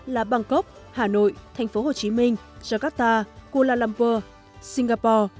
là bangkok hà nội thành phố hồ chí minh jakarta kuala lumpur singapore